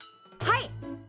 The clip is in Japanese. はい！